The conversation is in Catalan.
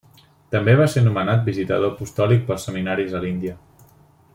També va ser nomenat visitador apostòlic pels seminaris a l'Índia.